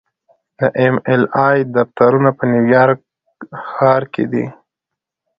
د ایم ایل اې دفترونه په نیویارک ښار کې دي.